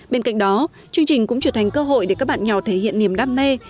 bên cạnh đó chương trình cũng trở thành cơ hội để các bạn nhỏ thể hiện niềm đam mê